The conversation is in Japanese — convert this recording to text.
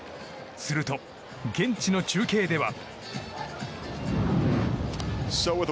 すると現地の中継では。